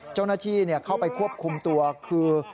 เจ้าหน้าที่เข้าไปควบคุมตัวคือ